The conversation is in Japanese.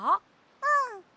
うん。